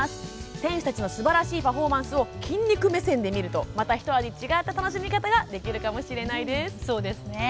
選手たちのすばらしいパフォーマンスを筋肉目線で見るとまた、ひと味違った楽しみ方ができるかもしれませんよ。